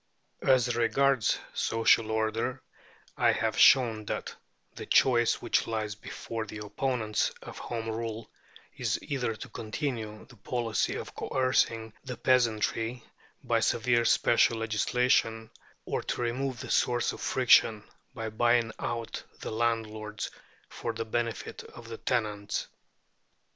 As regards social order, I have shown that the choice which lies before the opponents of Home Rule is either to continue the policy of coercing the peasantry by severe special legislation, or to remove the source of friction by buying out the landlords for the benefit of the tenants.